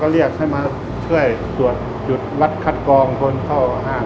สวัสดีครับผมชื่อสามารถชานุบาลชื่อเล่นว่าขิงถ่ายหนังสุ่นแห่ง